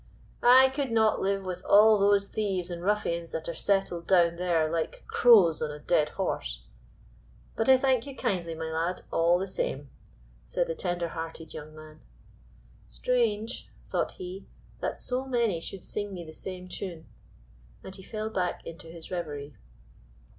"I could not live with all those thieves and ruffians that are settled down there like crows on a dead horse; but I thank you kindly, my lad, all the same," said the tender hearted young man. "Strange," thought he, "that so many should sing me the same tune," and he fell back into his reverie.